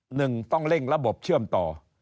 หนึ่งต้องเร่งระบบเชื่อมต่อ